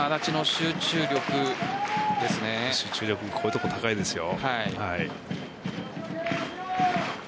集中力こういうところ高いですよ。